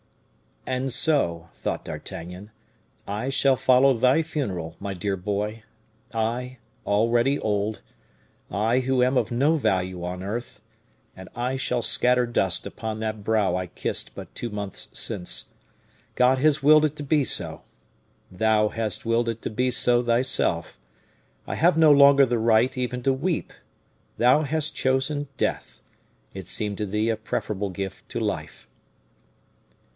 "And so," thought D'Artagnan, "I shall follow thy funeral, my dear boy I, already old I, who am of no value on earth and I shall scatter dust upon that brow I kissed but two months since. God has willed it to be so. Thou hast willed it to be so, thyself. I have no longer the right even to weep. Thou hast chosen death; it seemed to thee a preferable gift to life."